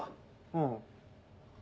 うん。